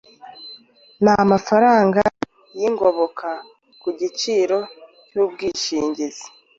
n amafaranga y ingoboka ku igiciro cy ubwishingizi